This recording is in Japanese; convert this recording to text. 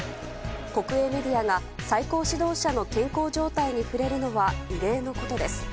国営メディアが最高指導者の健康状態に触れるのは異例のことです。